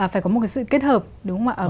phải có một sự kết hợp đúng không ạ